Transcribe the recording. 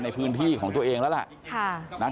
ในพื้นที่ของตัวเองแล้วล่ะ